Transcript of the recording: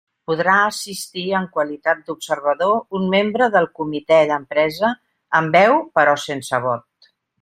Podrà assistir en qualitat d'observador un membre del Comitè d'empresa, amb veu però sense vot.